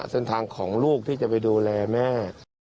เส้นทางของลูกที่จะไปดูแลแม่